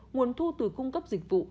nguồn thu từ cung cấp dịch vụ